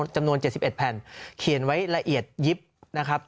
จำนวน๗๑แผ่นเขียนไว้ละเอียดยิบนะครับ